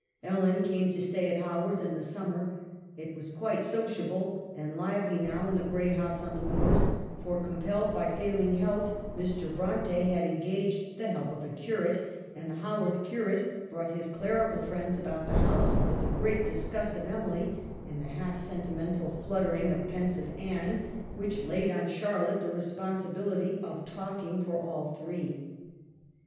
Ellen came to stay at Haworth in the summer ; it was quite sociable and lively now in the gray house on the moors ; for, compelled by failing health, Mr. Bronte had engaged the help of a curate, and the Haworth curate brought his clerical friends about the house, to the great disgust of Emily, and the half sentimental flut tering of pensive Anne, which laid on Charlotte the responsibility of talking for all three.